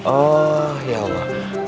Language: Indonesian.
oh ya allah